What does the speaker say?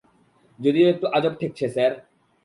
যদিও একটু আজব ঠেকছে, স্যার।